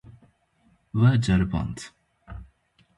We ceriband.